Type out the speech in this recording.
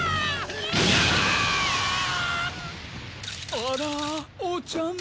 あらおちゃめ。